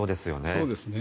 そうですね。